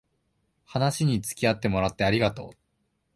話につきあってもらってありがとう